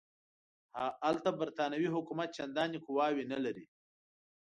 هلته برټانوي حکومت چنداني قواوې نه لري.